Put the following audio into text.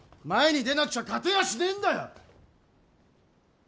前に出なくちゃ勝てやしねえんだよ！